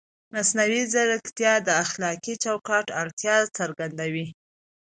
مصنوعي ځیرکتیا د اخلاقي چوکاټ اړتیا څرګندوي.